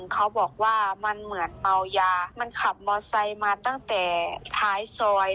เขาบอกว่ามันเหมือนเมายามันขับมอไซค์มาตั้งแต่ท้ายซอย